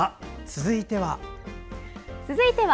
続いては？